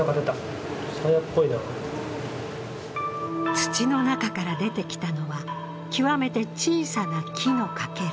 土の中から出てきたのは、極めて小さな木のかけら。